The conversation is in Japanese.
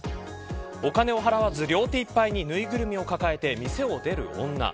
お金を払わず両手いっぱいにぬいぐるみを抱えて店を出る女。